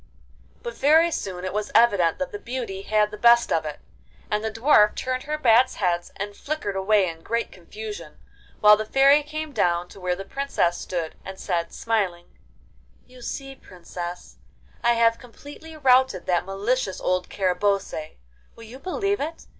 But very soon it was evident that the Beauty had the best of it, and the Dwarf turned her bats' heads and flickered away in great confusion, while the Fairy came down to where the Princess stood, and said, smiling, 'You see Princess, I have completely routed that malicious old Carabosse. Will you believe it!